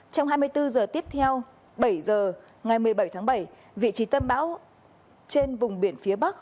trong hai mươi bốn h tiếp theo bảy h ngày một mươi bảy tháng bảy vị trí tâm áp thấp nhiệt đới trên vùng biển phía bắc